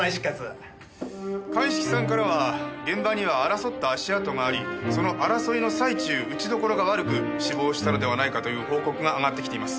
鑑識さんからは現場には争った足跡がありその争いの最中打ちどころが悪く死亡したのではないかという報告があがってきています。